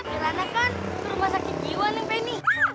karena kan rumah sakit jiwa nih penny